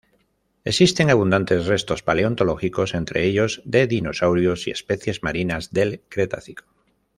Existen abundantes restos paleontológicos, entre ellos de dinosaurios y especies marinas del cretácico.